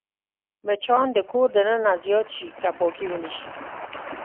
مچان د کور دننه زیات شي که پاکي ونه شي